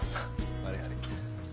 悪い悪い。